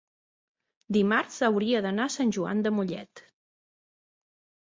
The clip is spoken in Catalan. dimarts hauria d'anar a Sant Joan de Mollet.